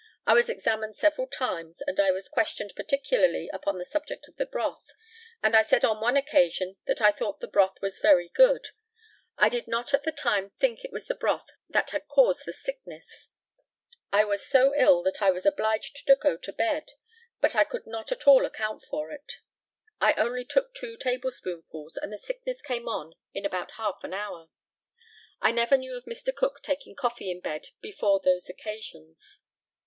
I was examined several times, and I was questioned particularly upon the subject of the broth, and I said on one occasion that I thought the broth was very good. I did not at the time think it was the broth that had caused the sickness. I was so ill that I was obliged to go to bed; but I could not at all account for it. I only took two table spoonfuls, and the sickness came on in about half an hour. I never knew of Mr. Cook taking coffee in bed before those occasions.